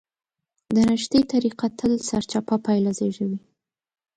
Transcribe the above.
د نښتې طريقه تل سرچپه پايله زېږوي.